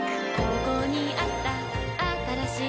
ここにあったあったらしい